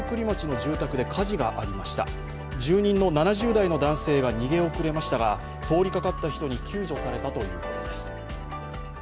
住人の７０代の男性が逃げ遅れましたが通りかかった人に救助されたということです。